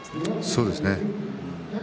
そうですね。